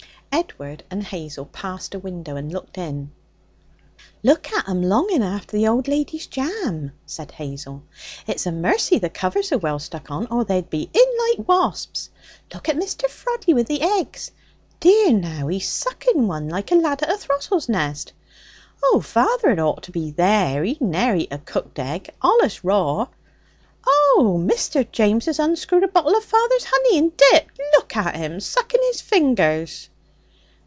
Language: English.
Edward and Hazel passed a window and looked in. 'Look at 'em longing after the old lady's jam!' said Hazel. 'It's a mercy the covers are well stuck on or they'd be in like wasps! Look at Mr. Frodley wi' the eggs! Dear now, he's sucking one like a lad at a throstles' nest! Oh! Father'd ought to be there! He ne'er eats a cooked egg. Allus raw. Oh! Mr. James has unscrewed a bottle of father's honey and dipped! Look at 'im sucking his fingers!'